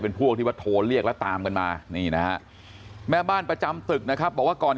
เป็นพวกที่ว่าโทรเรียกแล้วตามกันมานี่นะฮะแม่บ้านประจำตึกนะครับบอกว่าก่อน